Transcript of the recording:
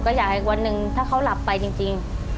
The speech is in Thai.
ก็อยากให้วันหนึ่งถ้าเขาหลับไปจริง